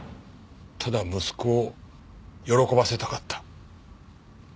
ただ息子を喜ばせたかった。